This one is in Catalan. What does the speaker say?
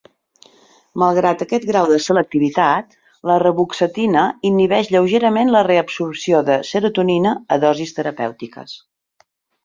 Malgrat aquest grau de selectivitat, la reboxetina inhibeix lleugerament la reabsorció de serotonina a dosis terapèutiques.